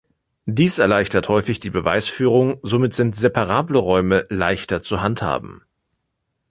Dies erleichtert häufig die Beweisführung, somit sind separable Räume "leichter" zu handhaben.